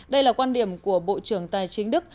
đây là quan điểm của bộ trưởng tài chính đức